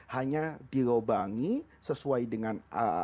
hanya dilobangi sesuai dengan